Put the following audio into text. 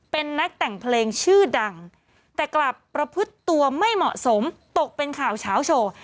เป็นนักแต่งเพลงชื่อดังแต่กลับประพฤติตัวไม่เหมาะสมตกเป็นข่าวเช้าโชว์